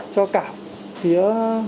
cho cả phía